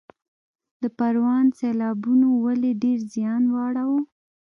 د پروان سیلابونو ولې ډیر زیان واړوه؟